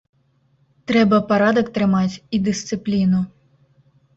Трэба парадак трымаць і дысцыпліну.